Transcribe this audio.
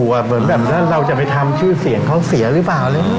เหมือนแบบถ้าเราจะไปทำชื่อเสียงเขาเสียหรือเปล่า